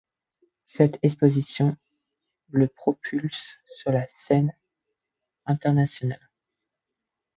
Cette exposition le propulse sur la scène internationale.